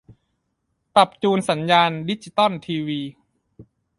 ปรับจูนสัญญาณดิจิตอลทีวี